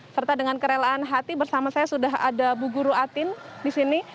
serta dengan kerelaan hati bersama saya sudah ada bu guru atin di sini